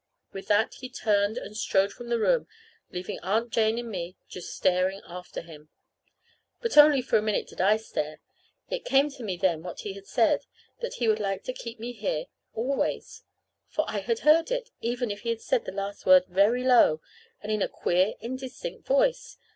With that he turned and strode from the room, leaving Aunt Jane and me just staring after him. But only for a minute did I stare. It came to me then what he had said that he would like to keep me here always. For I had heard it, even if he had said the last word very low, and in a queer, indistinct voice.